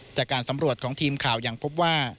จากการสำรวจของทีมข่าวยังพบว่า